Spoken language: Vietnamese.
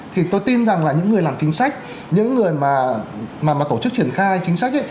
thì tôi tin rằng là những người làm chính sách những người mà tổ chức triển khai chính sách ấy